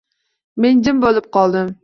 Men jim boʻlib qoldim.